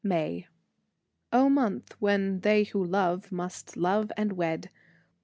May O month when they who love must love and wed!